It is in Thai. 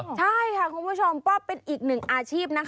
ใช่ค่ะคุณผู้ชมก็เป็นอีกหนึ่งอาชีพนะคะ